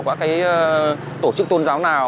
có cái tổ chức tôn giáo nào